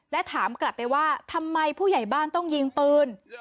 และถามกลับไปว่าทำไมผู้ใหญ่บ้านต้องยิงปืน